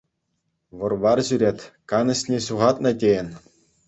Вӑр-вар ҫӳрет, канӑҫне ҫухатнӑ тейӗн.